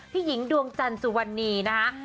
ผีหญิงดวงจรรย์สู่วันนี้นะครับ